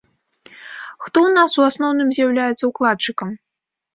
Хто ў нас у асноўным з'яўляецца ўкладчыкам?